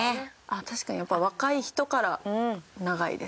確かにやっぱ若い人から長いですね。